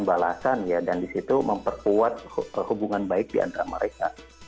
memberikan balasan ya dan di situ memperkuat hubungan baik diantara mereka